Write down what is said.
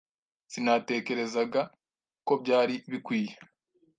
Sinatekerezaga ko byari bikwiye.